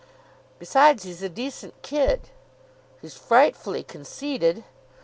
Besides, he's a decent kid." "He's frightfully conceited."